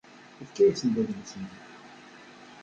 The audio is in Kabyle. Yefka-asen-d adlis-nni.